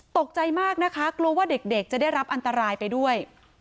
ตกใจมากนะคะกลัวว่าเด็กจะได้รับอันตรายไปด้วย